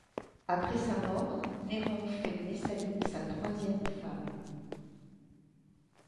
Après sa mort, Néron fait de Messaline sa troisième femme.